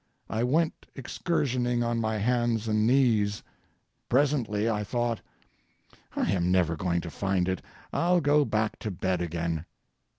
I went excursioning on my hands and knees. Presently I thought, "I am never going to find it; I'll go back to bed again."